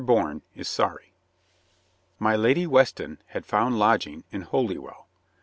BOURNE IS SORRY MY LADY WESTON had found lodging in Holywell.